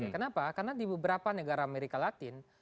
kenapa karena di beberapa negara amerika latin